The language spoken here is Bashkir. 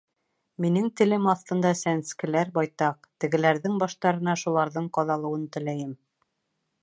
— Минең телем аҫтында сәнскеләр байтаҡ, тегеләрҙең баштарына шуларҙың ҡаҙалыуын теләйем.